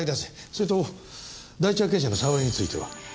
それと第一発見者の澤井については？